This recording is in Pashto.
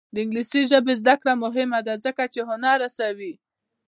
د انګلیسي ژبې زده کړه مهمه ده ځکه چې هنر رسوي.